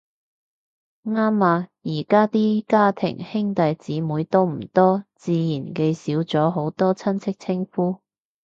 啱呀，而家啲家庭兄弟姊妹都唔多，自然記少咗好多親戚稱呼